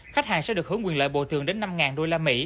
khách hàng sẽ được hưởng quyền lợi bộ tường đến năm usd